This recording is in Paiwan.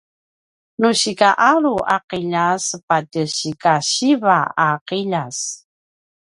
nu sikaalu a qiljas patje sikasiva a qiljas